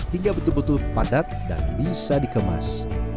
hingga betul betul padat dan bisa dikemas